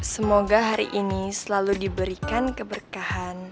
semoga hari ini selalu diberikan keberkahan